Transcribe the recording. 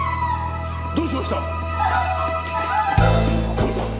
カメさん！